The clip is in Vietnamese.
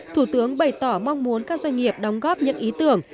thủ tướng bày tỏ mong muốn các doanh nghiệp đóng góp những ý tưởng